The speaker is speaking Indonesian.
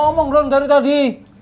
ngomong ron dari tadi